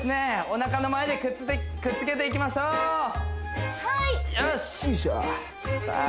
お腹の前でくっつけていきましょうはいよしさあ